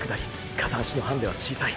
片足のハンデは小さい。